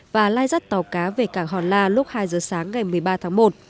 và lai rắt tàu cá về cảng hòn la lúc hai giờ sáng ngày một mươi ba tháng một